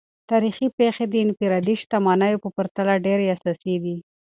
تاریخي پیښې د انفرادي شتمنیو په پرتله ډیر اساسي دي.